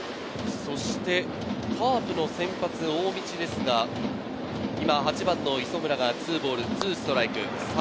そしてカープの先発の大道ですが、今、８番の磯村が２ボール２ストライク。